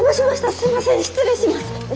すみません失礼します！